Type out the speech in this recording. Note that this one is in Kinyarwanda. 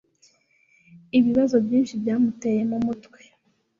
Ibibazo byinshi byamuteye mumutwe.